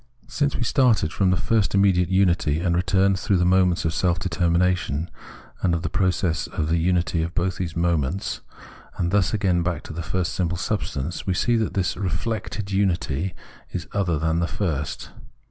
Since we started from the first immediate unity, and returned through the moments of form determination, and of process, to the unity of both these moments, and thus again back to the first simple substance, we see that this reflected unity is other than the first.